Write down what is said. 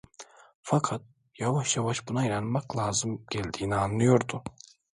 Fakat yavaş yavaş buna inanmak lazım geldiğini anlıyordu.